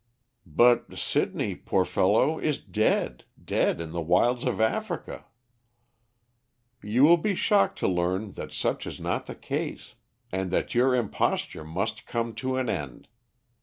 "But Sidney, poor fellow, is dead; dead in the wilds of Africa." "You will be shocked to learn that such is not the case, and that your imposture must come to an end.